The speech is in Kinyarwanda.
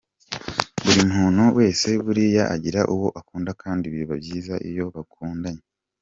Buri muntu wese buriya agira uwo akunda kandi biba byiza iyo bakundanye.